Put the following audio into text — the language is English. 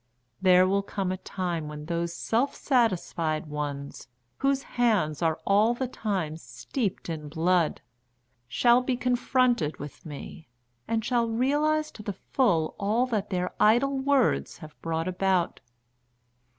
There will come a time when those self satisfied ones, whose hands are all the time steeped in blood, shall be confronted with me, and shall realise to the full all that their idle words have brought about.